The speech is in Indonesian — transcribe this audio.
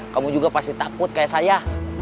kamu juga pasti takut kayak saya